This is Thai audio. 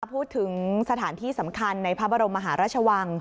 พูดถึงสถานที่สำคัญในพระบรมมหาราชวัง